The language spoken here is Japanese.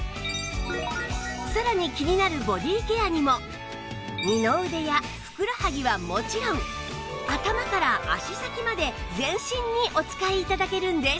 さらに気になる二の腕やふくらはぎはもちろん頭から足先まで全身にお使い頂けるんです